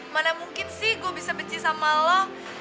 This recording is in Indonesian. tidak sih gue bisa benci sama lo